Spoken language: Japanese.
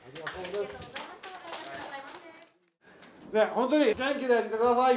本当に元気でいてください！